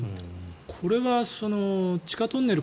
これが地下トンネル